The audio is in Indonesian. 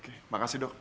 oke makasih dok